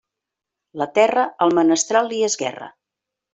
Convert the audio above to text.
La terra, al menestral li és guerra.